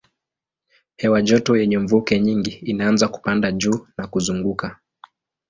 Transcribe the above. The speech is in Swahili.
Hewa joto yenye mvuke nyingi inaanza kupanda juu na kuzunguka.